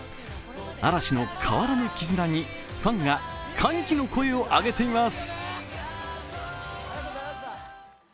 嵐の変わらぬ絆に、ファンが歓喜の声を上げています！